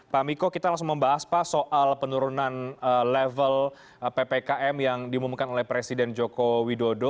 pak miko kita langsung membahas pak soal penurunan level ppkm yang diumumkan oleh presiden joko widodo